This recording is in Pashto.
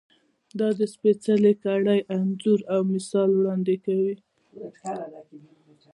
دا د سپېڅلې کړۍ انځور او مثال وړاندې کوي.